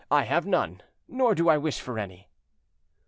I have none; nor do I wish for any.'"